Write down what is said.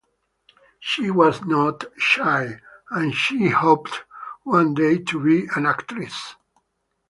She was not shy and she hoped one day to be an actress.